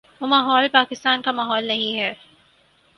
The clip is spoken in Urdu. وہ ماحول پاکستان کا ماحول نہیں ہے۔